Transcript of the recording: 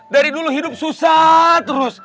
dari dulu hidup susah terus